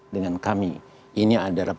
dengan kami ini adalah